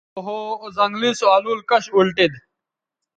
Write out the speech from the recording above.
او ہو او زنگلئ سو الول کش اُلٹید